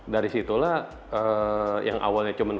dari situlah yang awalnya cuma